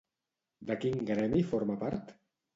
De quin gremi forma part?